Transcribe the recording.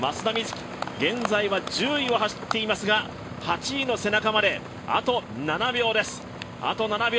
松田瑞生、現在は１０位を走っていますが８位の背中まであと７秒です。